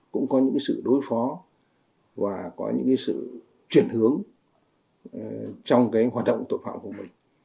cũng có những sự đối phó và có những sự chuyển hướng trong hoạt động tội phạm của mình